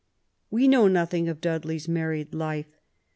We know nothing of Dudley's married life.